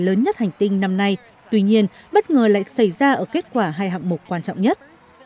lớn nhất hành tinh năm nay tuy nhiên bất ngờ lại xảy ra ở kết quả hai hạng mục quan trọng nhất